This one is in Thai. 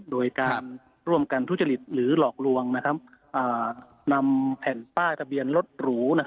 โดยการร่วมกันฮุตรศลิสต์หรือหลอกลวงนำแผ่นป้าทะเบียนรถหรูนะครับ